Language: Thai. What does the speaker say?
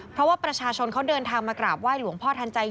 เพราะว่าประชาชนเขาเดินทางมากราบไห้หลวงพ่อทันใจ